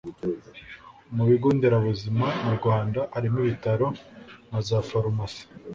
mu bigo nderabuzima mu rwanda harimo ibitaro na za farumasi